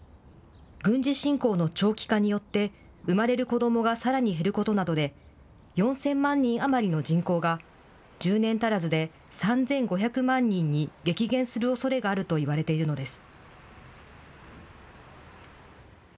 軍事侵攻の長期化によって、生まれる子どもがさらに減ることなどで、４０００万人余りの人口が１０年足らずで３５００万人に激減するおそれがあるといわれているのです。